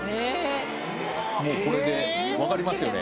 もうこれでわかりますよね